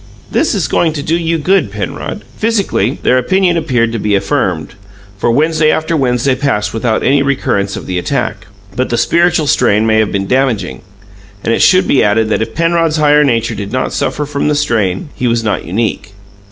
This is going to do you good, Penrod." Physically, their opinion appeared to be affirmed, for Wednesday after Wednesday passed without any recurrence of the attack; but the spiritual strain may have been damaging. And it should be added that if Penrod's higher nature did suffer from the strain, he was not unique.